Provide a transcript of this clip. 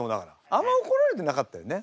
あんまおこられてなかったよね？